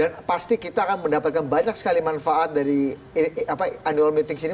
dan pasti kita akan mendapatkan banyak sekali manfaat dari annual meeting ini